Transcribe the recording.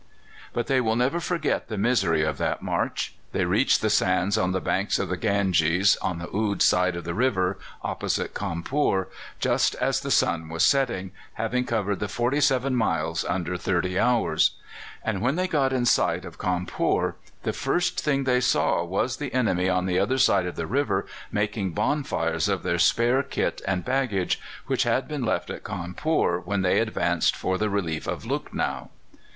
But they will never forget the misery of that march. They reached the sands on the banks of the Ganges, on the Oude side of the river opposite Cawnpore, just as the sun was setting, having covered the forty seven miles under thirty hours. And when they got in sight of Cawnpore the first thing they saw was the enemy on the other side of the river making bonfires of their spare kit and baggage, which had been left at Cawnpore when they advanced for the relief of Lucknow.